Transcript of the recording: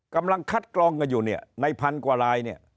กำลังคัดกลองกันอยู่ในพันกว่าราย